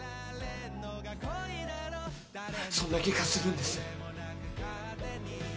そんな気がするんです。